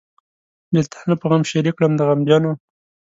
بېلتانه په غم شریک کړم د غمجنو.